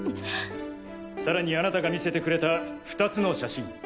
さらにあなたが見せてくれた２つの写真。